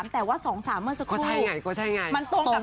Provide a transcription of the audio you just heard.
แต่ว่า๒๓เมื่อสักครู่